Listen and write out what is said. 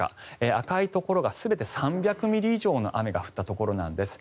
赤いところが全て３００ミリ以上の雨が降ったところなんです。